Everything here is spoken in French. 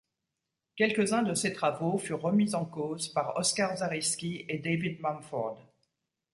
Quelques-uns de ses travaux furent remis en cause par Oscar Zariski et David Mumford.